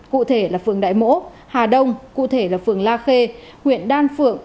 cụ thể là phường đại mỗ hà đông cụ thể là phường la khê huyện đan phượng